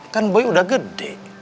kan boy udah gede